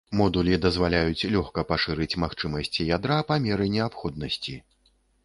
Модулі дазваляюць лёгка пашырыць магчымасці ядра па меры неабходнасці.